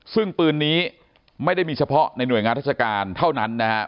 ซึ่งปืนนี้ไม่ได้มีเฉพาะในหน่วยงานราชการเท่านั้นนะครับ